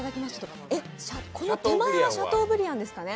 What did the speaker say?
この手前はシャトーブリアンですね。